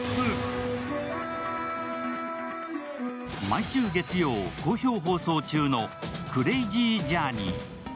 毎週月曜、好評放送中の「クレイジージャーニー」。